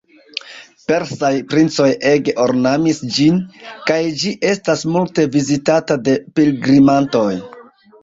Persaj princoj ege ornamis ĝin, kaj ĝi estas multe vizitata de pilgrimantoj.